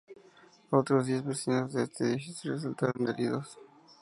Otros diez vecinos de ese edificio resultaron heridos.